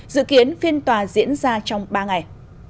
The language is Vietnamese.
dự kiến phiên tòa diễn ra trong ba ngày